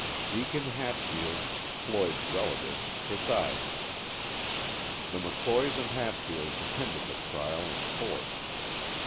Deacon Hatfield, Floyd's relative, presided. The McCoys and Hatfields attended the trial in force.